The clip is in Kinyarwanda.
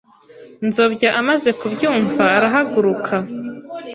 Nzobya amaze kubyumva arahaguruka